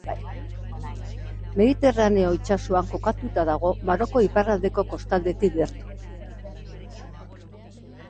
Mediterraneo itsasoan kokatuta dago Marokoko iparraldeko kostaldetik gertu.